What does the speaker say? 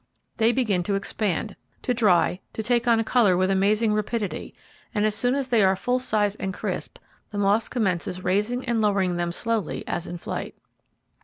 They begin to expand, to dry, to take on colour with amazing rapidity, and as soon as they are full size and crisp, the moth commences raising and lowering them slowly, as in flight.